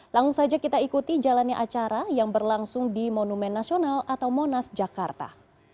langsung saja kita ikuti jalannya acara yang berlangsung di monumen nasional atau monas jakarta